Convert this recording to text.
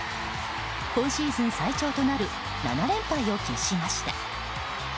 今シーズン最長となる７連敗を喫しました。